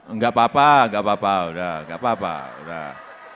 enggak apa apa nggak apa apa udah gak apa apa udah